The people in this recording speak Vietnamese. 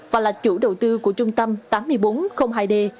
và là chủ đầu tư của trung tâm tám nghìn bốn trăm linh hai d